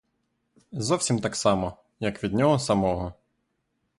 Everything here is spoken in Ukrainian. Зовсім так само, як від нього самого.